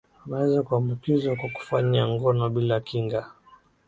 unaweza kuambukizwa kwa kufanya ngono bila kinga